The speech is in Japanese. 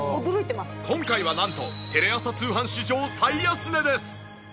今回はなんとテレ朝通販史上最安値です。